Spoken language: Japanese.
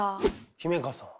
姫川さんは？